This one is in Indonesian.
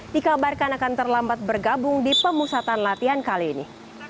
dikabarkan akan terlambat bergabung di pemusatan latihan kali ini